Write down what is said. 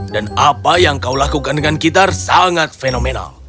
dan apa yang kau lakukan dengan gitar sangat fenomenal